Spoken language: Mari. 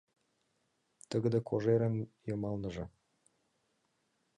Тыгыде кожерын йымалныже